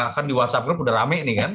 kan di whatsapp group sudah rame ini kan